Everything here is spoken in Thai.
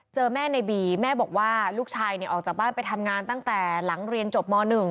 เจอแม่ในบีแม่บอกว่าลูกชายออกจากบ้านไปทำงานตั้งแต่หลังเรียนจบม๑